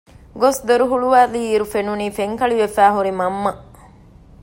ގޮސް ދޮރު ހުޅުވައިލީއިރު ފެނުނީ ފެންކަޅިވެފައި ހުރި މަންމަ